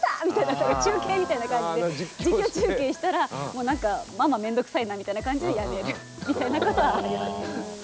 みたいな中継みたいな感じで実況中継したらもうなんか「ママめんどくさいな」みたいな感じでやめるみたいなことはあります。